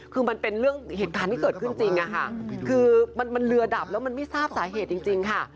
คือมันเรือดับแล้วมันไม่ทราบสาเหตุจริงค่ะ